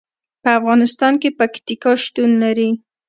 په افغانستان کې پکتیکا شتون لري.